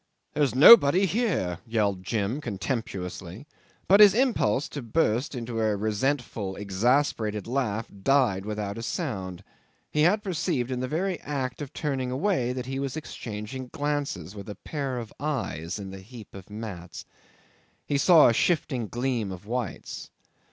"There's nobody here!" yelled Jim contemptuously, but his impulse to burst into a resentful exasperated laugh died without a sound: he had perceived in the very act of turning away that he was exchanging glances with a pair of eyes in the heap of mats. He saw a shifting gleam of whites.